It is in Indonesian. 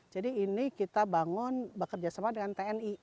jadi ini kita bangun bekerjasama dengan tni